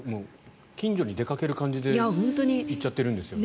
近所に出かける感じで行っちゃってるんですよね。